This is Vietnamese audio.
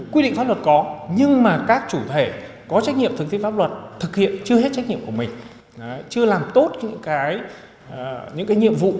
quy định pháp luật có nhưng mà các chủ thể có trách nhiệm thực thi pháp luật thực hiện chưa hết trách nhiệm của mình chưa làm tốt những cái nhiệm vụ